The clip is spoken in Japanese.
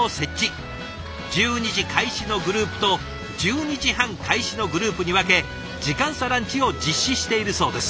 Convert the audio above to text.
１２時開始のグループと１２時半開始のグループに分け時間差ランチを実施しているそうです。